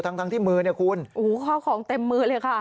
ทั้งที่มือเนี่ยคุณข้อของเต็มมือเลยค่ะ